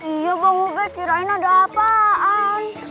iya bang ube kirain ada apaan